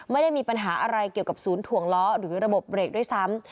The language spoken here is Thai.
ไม่ได้มีปัญหาอะไรเกี่ยวกับศูนย์ถ่วงล้อหรือระบบเบรกด้วยซ้ำ